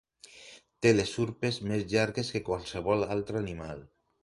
Té les urpes més llargues que qualsevol altre animal.